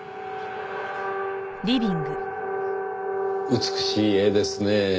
美しい絵ですねぇ。